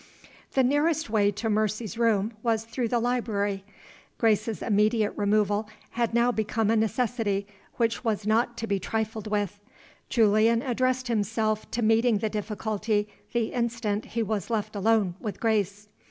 The nearest way to Mercy's room was through the library. Grace's immediate removal had now become a necessity which was not to be trifled with. Julian addressed himself to meeting the difficulty the instant he was left alone with Grace.